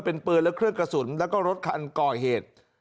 เป็นปืนและเครื่องกระสุนแล้วก็รถคันก่อเหตุ